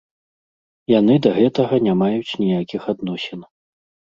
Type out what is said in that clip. Яны да гэтага не маюць ніякіх адносін.